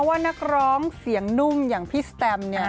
ว่านักร้องเสียงนุ่มอย่างพี่สแตมเนี่ย